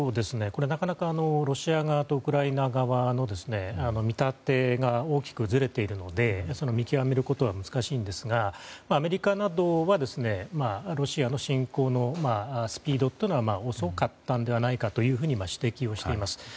なかなかロシア側とウクライナ側の見立てが大きくずれているので見極めることは難しいんですがアメリカなどは、ロシアの侵攻のスピードというのは遅かったのではないかと指摘をしています。